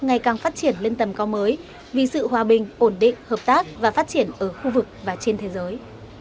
ngày càng phát triển lên tầm cao mới vì sự hòa bình ổn định hợp tác và phát triển ở khu vực và trên thế giới